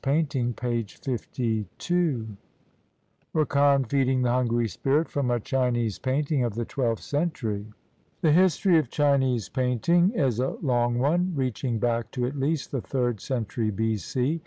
RAKAN FEEDING THE HUNGRY SPIRIT RAKAN FEEDING THE HUNGRY SPIRIT From a Chinese painting of the twelfth century The history of Chinese painting is a long one, reaching back to at least the third century B.C.